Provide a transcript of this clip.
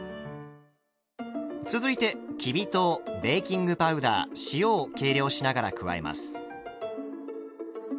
続いてきび糖ベーキングパウダー塩を計量しながら加えます。